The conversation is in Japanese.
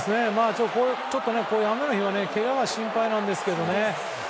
ちょっとこういう雨の日はけがが心配なんですけどね。